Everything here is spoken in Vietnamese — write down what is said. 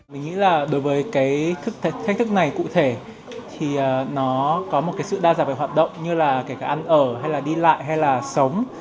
mình nghĩ là đối với cái thách thức này cụ thể thì nó có một cái sự đa dạng về hoạt động như là kể cả ăn ở hay là đi lại hay là sống